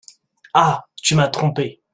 Ah ! tu m’as trompée !